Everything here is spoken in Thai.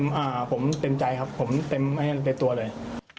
ครับผมเต็มใจครับผมเต็มในตัวเลย